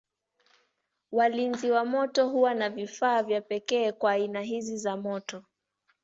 Walinzi wa moto huwa na vifaa vya pekee kwa aina hizi za moto.